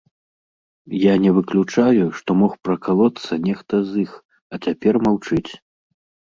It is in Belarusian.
Я не выключаю, што мог пракалоцца нехта з іх, а цяпер маўчыць.